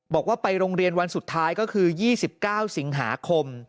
บอกว่าไปโรงเรียนวันสุดท้ายก็คือ๒๙สิงหาคม